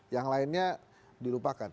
yang lainnya dilupakan